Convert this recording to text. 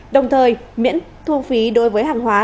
đồng thời miễn thu phí đối với hàng hóa